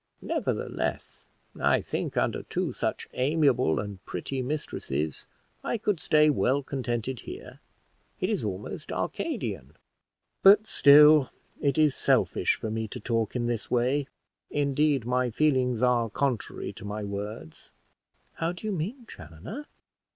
"Nevertheless, I think, under two such amiable and pretty mistresses, I could stay well contented here; it is almost Arcadian. But still it is selfish for me to talk in this way; indeed, my feelings are contrary to my words." "How do you mean, Chaloner?"